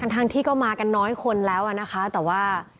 ทั้งที่ก็มากันน้อยคนแล้วนะคะแต่ว่า